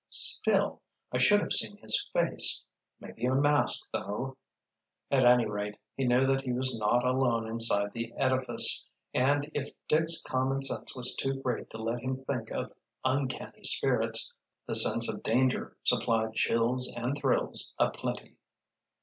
"Still, I should have seen his face—maybe a mask, though——" At any rate, he knew that he was not alone inside the edifice, and if Dick's common sense was too great to let him think of uncanny spirits, the sense of danger supplied chills and thrills a plenty.